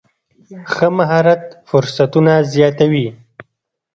ښه مهارت فرصتونه زیاتوي.